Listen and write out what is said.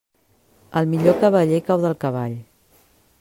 El millor cavaller cau del cavall.